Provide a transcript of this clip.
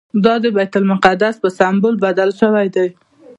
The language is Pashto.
دا د بیت المقدس په سمبول بدل شوی دی.